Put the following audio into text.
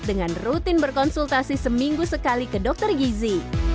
dengan rutin berkonsultasi seminggu sekali ke dokter gizi